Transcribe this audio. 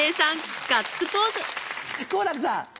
好楽さん。